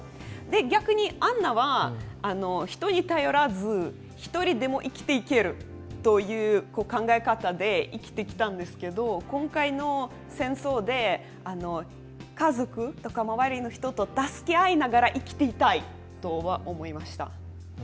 逆にアンナは人に頼らず１人でも生きていけるという考え方で生きてきたんですが今回の戦争で家族や周りの人と助け合いながら生きていきたいと思うようになりました。